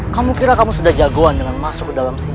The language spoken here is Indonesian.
kamu kira kamu sudah jagoan dengan masuk ke dalam sini